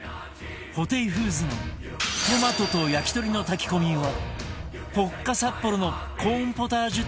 ホテイフーズのトマトと焼き鳥の炊き込みはポッカサッポロのコーンポタージュ